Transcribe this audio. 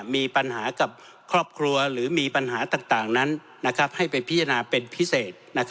มีปัญหากับครอบครัวหรือมีปัญหาต่างนั้นให้ไปพิจารณาเป็นพิเศษ